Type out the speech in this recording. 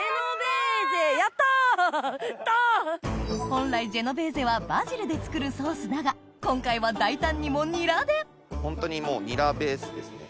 本来ジェノベーゼはバジルで作るソースだが今回は大胆にもニラでホントにニラベースですね。